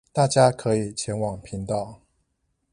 大家可以前往頻道